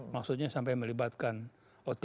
maksudnya sampai melibatkan otb